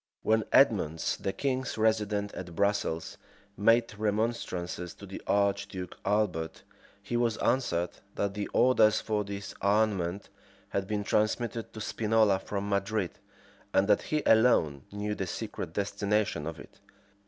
When Edmonds, the king's resident at Brussels, made remonstrances to the archduke Albert, he was answered, that the orders for this armament had been transmitted to Spinola from Madrid, and that he alone knew the secret destination of it.